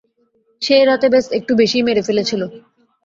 সেই রাতে ব্যস একটু বেশিই মেরে ফেলেছিল।